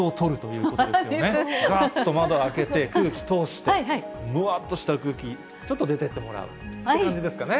がーっと窓を開けて、空気通して、むわーっとした空気、ちょっと出ていってもらう、という感じですかね。